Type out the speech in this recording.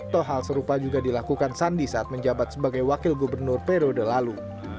toh hal serupa juga dilakukan sandi saat menjabat sebagai wakil gubernur periode lalu